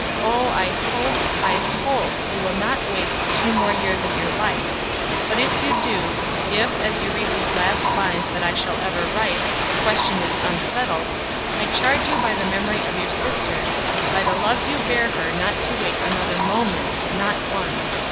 Oh, I hope, I hope you will not waste two years more of your life, but if you do, if as you read these last lines that I shall ever write, the question is unsettled, I charge you by the memory of your sister, by the love you bear her not to wait another moment not one.